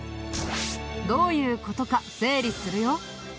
どういう事か整理するよ。